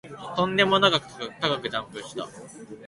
とんでもなく高くジャンプした